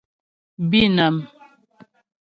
Bînàm.